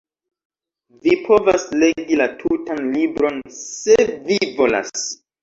Vi povas legi la tutan libron se vi volas.